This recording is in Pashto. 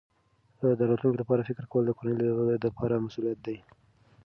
د راتلونکي لپاره فکر کول د کورنۍ د پلار مسؤلیت دی.